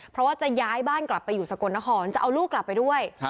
เพราะว่าจะย้ายบ้านกลับไปอยู่สกลนครจะเอาลูกกลับไปด้วย